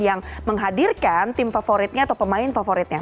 yang menghadirkan tim favoritnya atau pemain favoritnya